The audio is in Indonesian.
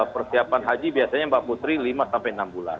persiapan haji biasanya mbak putri lima sampai enam bulan